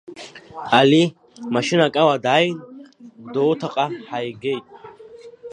Али, машьынак ала дааин Гәдоуҭаҟа ҳаигеит.